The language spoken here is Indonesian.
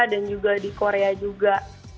dan juga di korea juga